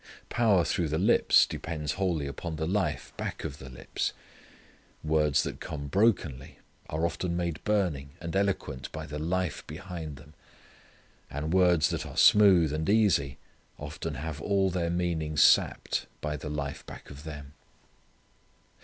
Power through the lips depends wholly upon the life back of the lips. Words that come brokenly are often made burning and eloquent by the life behind them. And words that are smooth and easy, often have all their meaning sapped by the life back of them.